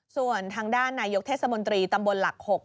ส่วนทางด้านนายกเทศมนตรีตำบลหลัก๖